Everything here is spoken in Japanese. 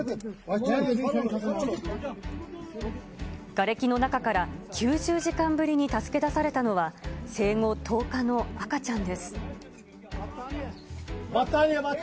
がれきの中から９０時間ぶりに助け出されたのは、生後１０日の赤ちゃんです。